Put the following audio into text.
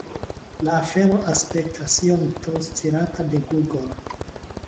La afero aspektas iom tro stirata de Google.